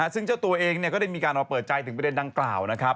ซึ่งเจ้าตัวเองก็ได้มีการออกมาเปิดใจถึงประเด็นดังกล่าวนะครับ